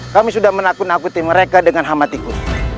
kami sudah menakut nakuti mereka dengan hamat ikut